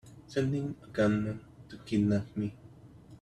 Sending a gunman to kidnap me!